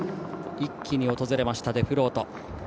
一気に訪れましたデフロート。